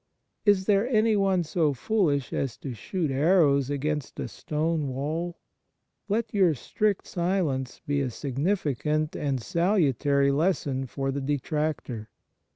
Is there anyone so foolish as to shoot arrows against a stone wall ?" Let your strict silence be a sig nificant and salutary lesson for the detractor.